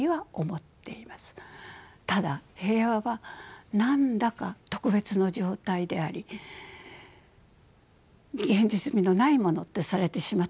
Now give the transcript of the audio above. ただ「平和」は何だか特別の状態であり現実味のないものとされてしまっては意味がありません。